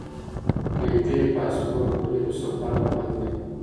که نجونې پاسپورټ ولري نو سفر به بند نه وي.